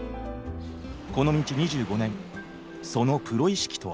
この道２５年そのプロ意識とは？